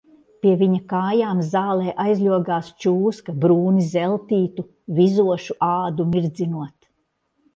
Pie viņa kājām zālē aizļogās čūska brūni zeltītu, vizošu ādu mirdzinot.